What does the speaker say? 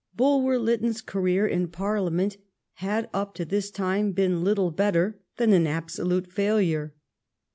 Bulwer Lytton's career in Parliament had up to this time been little better than an absolute failure.